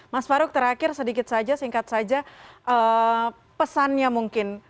mas farouk terakhir sedikit saja singkat saja pesannya mungkin